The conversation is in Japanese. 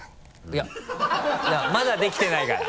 いやまだできてないから。